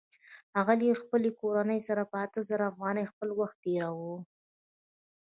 علي له خپلې کورنۍ سره په اته زره افغانۍ خپل وخت تېروي.